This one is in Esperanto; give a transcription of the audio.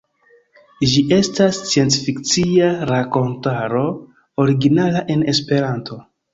Ĝi estas sciencfikcia rakontaro, originala en esperanto.